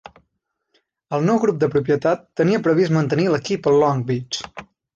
El nou grup de propietat tenia previst mantenir l'equip a Long Beach.